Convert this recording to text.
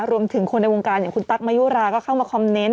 รวมถึงคนในวงการอย่างคุณตั๊กมายุราก็เข้ามาคอมเมนต์